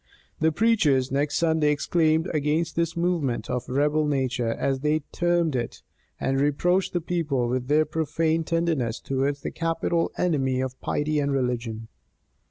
The preachers next Sunday exclaimed against this movement of rebel nature, as they termed it; and reproached the people with their profane tenderness towards the capital enemy of piety and religion.